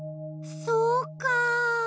そうか。